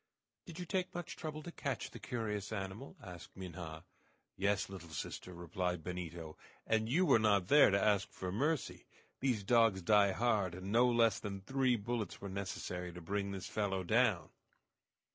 "Did you take much trouble to catch the curious animal?" asked Minha. "Yes, little sister," replied Benito, "and you were not there to ask for mercy! These dogs die hard, and no less than three bullets were necessary to bring this fellow down."